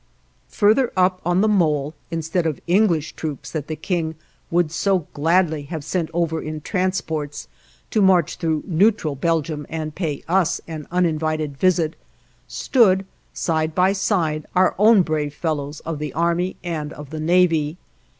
Farther on up the mole, instead of English troops that the King would so gladly have sent over in transports to march through neutral Belgium and pay us an uninvited visit, stood, side by side, our own brave fellows of the Army and of the Navy.